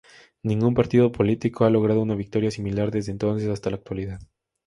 Ningún partido político ha logrado una victoria similar desde entonces hasta la actualidad.